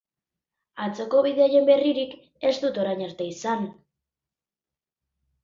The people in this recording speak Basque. Atzoko bidaideen berririk ez dut orain arte izan.